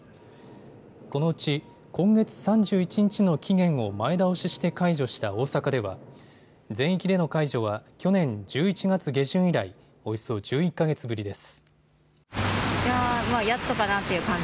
このうち今月３１日の期限を前倒しして解除した大阪では全域での解除は去年１１月下旬以来、およそ１１か月ぶりです。